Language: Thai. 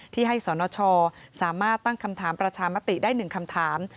ที่ให้สนชสามารถตั้งคำถามประชามติได้๑คำถาม